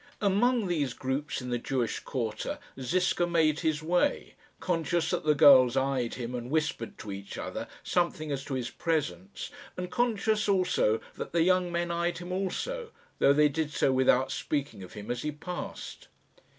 Among these groups in the Jewish quarter Ziska made his way, conscious that the girls eyed him and whispered to each other something as to his presence, and conscious also that the young men eyed him also, though they did so without speaking of him as he passed.